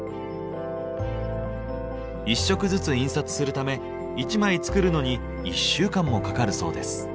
１色ずつ印刷するため１枚作るのに１週間もかかるそうです。